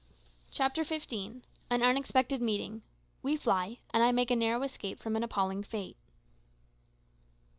CHAPTER FIFTEEN. AN UNEXPECTED MEETING WE FLY, AND I MAKE A NARROW ESCAPE FROM AN APPALLING FATE.